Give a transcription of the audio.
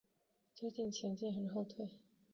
究竟前进还是后退？